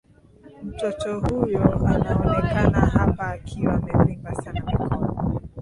mtoto huyo anaonekana hapa akiwa amevimba sana mikono